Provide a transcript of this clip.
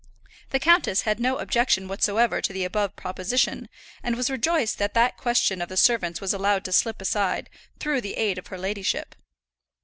The countess had no objection whatsoever to the above proposition, and was rejoiced that that question of the servants was allowed to slip aside, through the aid of her ladyship.